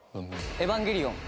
『エヴァンゲリオン』。